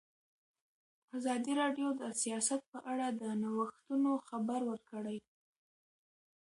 ازادي راډیو د سیاست په اړه د نوښتونو خبر ورکړی.